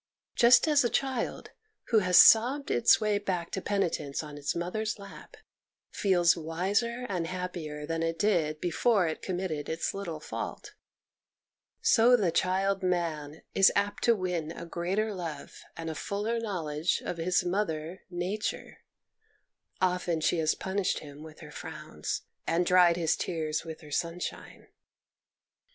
Just as a child, who has sobbed its way back to penitence on its mother's lap, feels wiser and happier than it did before it committed its little fault, so the child man is apt to win a 174 MONOLOGUES greater love and a fuller knowledge of his mother Nature ; often she has punished him with her frowns, and dried his tears with her sunshine.